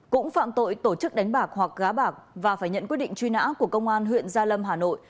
cũng phạm tội tổ chức đánh bạc hoặc gá bạc và phải nhận quyết định truy nã của công an huyện gia lâm hà nội